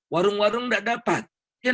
warung warung tidak dapat